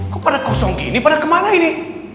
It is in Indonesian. kok pada kosong gini pada kemana ini